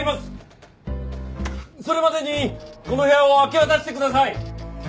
それまでにこの部屋を明け渡してください！